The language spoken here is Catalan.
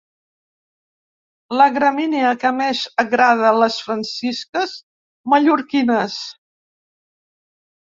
La gramínia que més agrada les Francisques mallorquines.